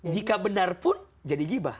jika benar pun jadi gibah